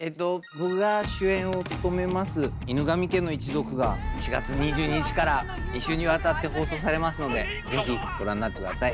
僕が主演を務めます「犬神家の一族」が４月２２日から２週にわたって放送されますのでぜひご覧になって下さい。